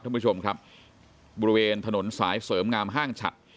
ท่านผู้ชมครับบริเวณถนนสายเสริมงามห้างฉัด